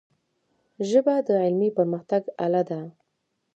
ژبه د علمي پرمختګ آله ده.